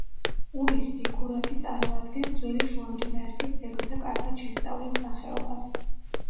ურის ზიქურათი წარმოადგენს ძველი შუამდინარეთის ძეგლთა კარგად შესწავლილ სახეობას.